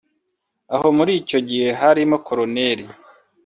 aho muri icyo gihe harimo Col